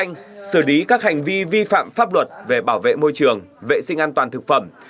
cũng tăng cường đấu tranh xử lý các hành vi vi phạm pháp luật về bảo vệ môi trường vệ sinh an toàn thực phẩm